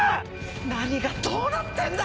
何がどうなってんだ